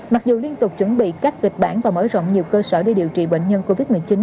mặc dù liên tục chuẩn bị các kịch bản và mở rộng nhiều cơ sở để điều trị bệnh nhân covid một mươi chín